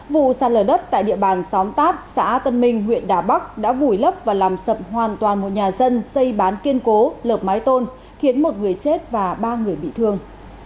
vụ sạt lở đất tại địa bàn xóm tát xã tân minh huyện đà bắc đã vùi lấp và làm sập hoàn toàn một nhà dân xây bán kiên cố lợp mái tôn khiến một người chết và ba người bị thương